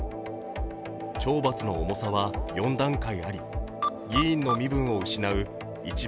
懲罰の重さは４段階あり議員の身分を失う一番